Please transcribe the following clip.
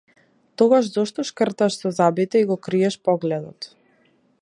Тогаш зошто шкрташ со забите и го криеш погледот?